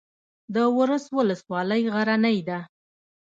د ورس ولسوالۍ غرنۍ ده